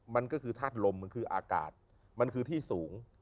มันก็คือธาตุลมมันคืออากาศมันคือที่สูง